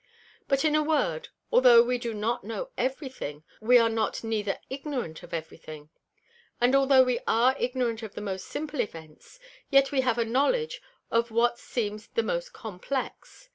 But in a word, altho' we do not know every thing, we are not neither ignorant of every thing. And altho' we are ignorant of the most simple Events, yet we have a knowledge of what seems the most Complex.